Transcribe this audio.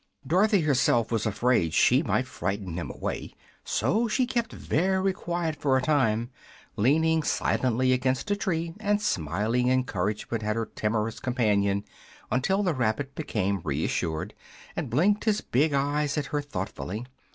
Dorothy herself was afraid she might frighten him away, so she kept very quiet for a time, leaning silently against a tree and smiling encouragement at her timorous companion until the rabbit became reassured and blinked his big eyes at her thoughtfully.